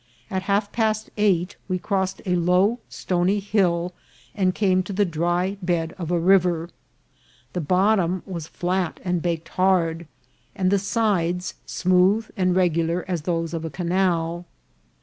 At half past eight we crossed a low stony hill and came to the dry bed of a river; The bottom was flat and baked hard, and the sides smooth and regular as those of a canal.